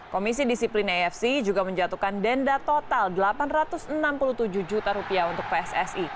komisi disiplin afc juga menjatuhkan denda total rp delapan ratus enam puluh tujuh juta untuk pssi